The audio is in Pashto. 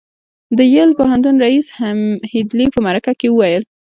د یل پوهنتون ريیس هيډلي په مرکه کې وویل